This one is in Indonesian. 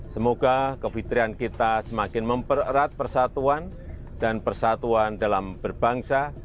semoga kefitrian kita semakin mempererat persatuan dan persatuan dalam berbangsa